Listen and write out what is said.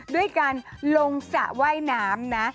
ด้วยการลงสระว่ายน้ำนะ